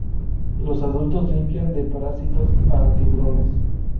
Los adultos limpian de parásitos a tiburones.